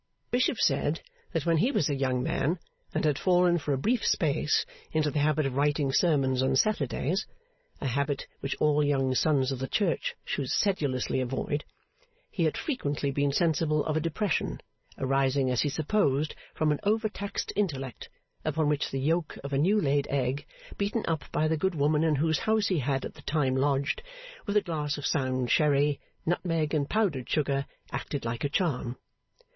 Bishop said that when he was a young man, and had fallen for a brief space into the habit of writing sermons on Saturdays, a habit which all young sons of the church should sedulously avoid, he had frequently been sensible of a depression, arising as he supposed from an over taxed intellect, upon which the yolk of a new laid egg, beaten up by the good woman in whose house he at that time lodged, with a glass of sound sherry, nutmeg, and powdered sugar acted like a charm.